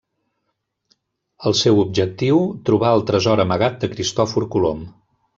El seu objectiu: trobar el tresor amagat de Cristòfor Colom.